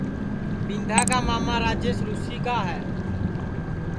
ٻیندھا کا ماما راجیش رُوسی گا ہے